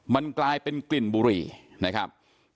มันกลายเป็นกลิ่นบุหรี่นะครับ